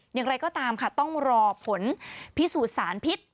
อย่างไรก็ตามค่ะต้องรอผลพิสูจน์สารพิษ